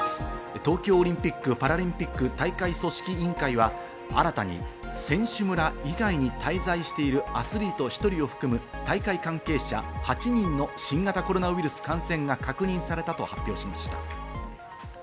東京オリンピック・パラリンピック大会組織委員会は新たに選手村以外に滞在しているアスリート１人を含む大会関係者８人の新型コロナウイルスの感染が確認されたと発表しました。